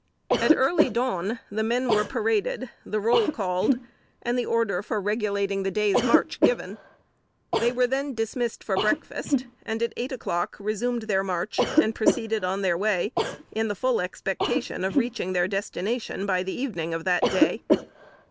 At early dawn, the men were paraded, the roll called, and the order for regulating the day's march given. They were then dismissed for breakfast, and at eight o'clock, resumed their march, and proceeded on their way in the full expectation of reaching their destination by the evening of that day.